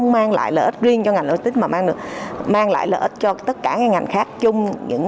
mang lại lợi ích riêng cho ngành logistics mà mang lại lợi ích cho tất cả ngành khác chung